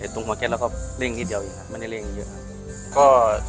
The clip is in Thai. ตรงหัวเกร็ดแล้วก็เร่งนิดเดียวไม่ได้เล่นอยู่ค่ะก็